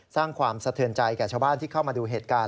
สร้างความสะเทือนใจแก่ชาวบ้านที่เข้ามาดูเหตุการณ์